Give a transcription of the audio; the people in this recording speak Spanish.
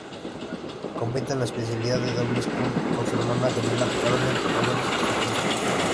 Compite en la especialidad de doble scull con su hermana gemela Caroline Evers-Swindell.